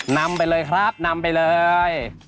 นำไปเลยครับนำไปเลย